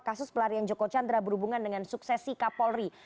kasus pelarian joko chandra berhubungan dengan suksesi kapolri